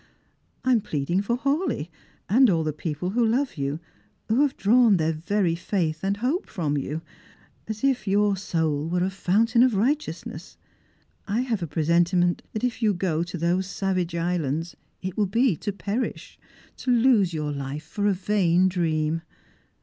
I am pleading for Hawleigh, and all the jjcople who love you, who have drawn their very faith and hope from you, as if your soul were a fountain of righteousness. I have a presentiment that if you go to those savage islands it will be to perish ; to lose your life for a vain dream.